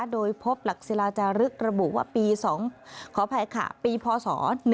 โดยพบหลักศิลาจารึกระบุว่าปี๒ขออภัยค่ะปีพศ๑๕